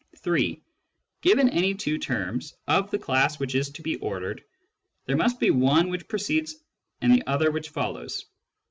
(3) Given any two terms of the class which is to be ordered, there must be one which precedes and the other which follows.